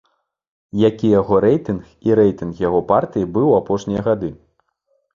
Які яго рэйтынг і рэйтынг яго партыі быў у апошнія гады?